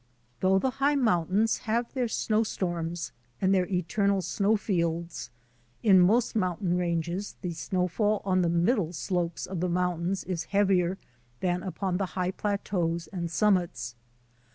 Though the high mountains have their snow storms and their eternal snowfields, in most moun tain ranges the snowfall on the middle slopes of the mountains is heavier than upon the high plateaus and summits.